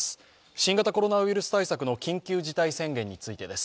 新型コロナウイルス対策の緊急事態宣言についてです。